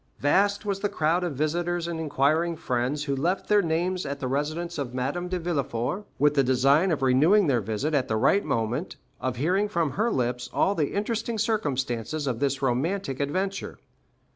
Vast was the crowd of visitors and inquiring friends who left their names at the residence of Madame de Villefort, with the design of renewing their visit at the right moment, of hearing from her lips all the interesting circumstances of this most romantic adventure.